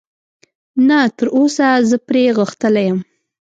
نه، تراوسه زه پرې غښتلی یم.